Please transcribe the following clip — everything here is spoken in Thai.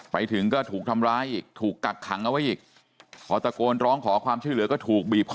ไปถึงก็ถูกทำร้ายอีกถูกกักขังเอาไว้อีกพอตะโกนร้องขอความช่วยเหลือก็ถูกบีบคอ